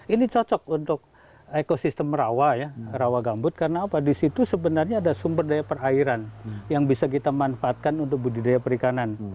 ini cocok untuk ekosistem rawa ya rawa gambut karena apa di situ sebenarnya ada sumber daya perairan yang bisa kita manfaatkan untuk budidaya perikanan